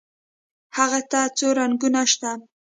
هغې ته څو رنګونه شته.